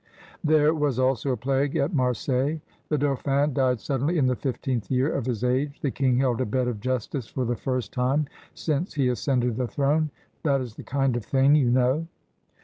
There was also a plague at Marseilles. The Dauphin died suddenly in the fifteenth year of his age. The king held a Bed of Justice for the first time since he ascended the throne. That is the kind of thing, you know.'